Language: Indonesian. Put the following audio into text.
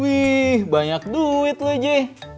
wih banyak duit lo je